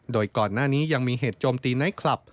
โดยก่อนหน้านี้ยังมีเหตุโจมตีไนท์คลับ